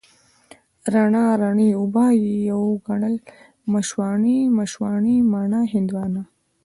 رڼا، رڼې اوبه، يو ګڼل، مشواڼۍ، مشواڼې، مڼه، هندواڼه،